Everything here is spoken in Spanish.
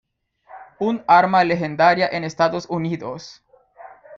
Un arma legendaria en Estados Unidos.